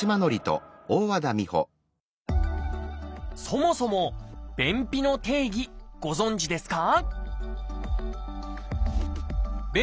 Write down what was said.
そもそも便秘の定義ご存じですか？